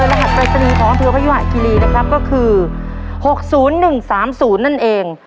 รหัสปรายศนีย์ของอำเภอพยุหะคีรีนะครับก็คือหกศูนย์หนึ่งสามศูนนั่นเอง